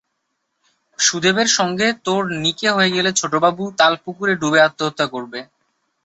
সুদেবের সঙ্গে তোর নিকে হয়ে গেলে ছোটবাবু তালপুকুরে ডুবে আত্মহত্যা করবে।